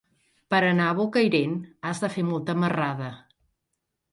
Per anar a Bocairent has de fer molta marrada.